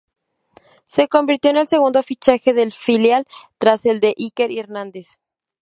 Se convirtió en el segundo fichaje del filial tras el de Iker Hernández.